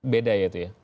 beda ya itu ya